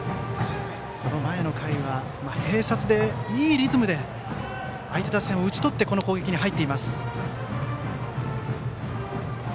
この前の回は併殺でいいリズムで相手打線を打ち取ってこの攻撃に入っています。